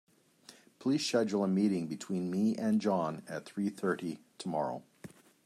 Please schedule a meeting between me and John at three thirty tomorrow.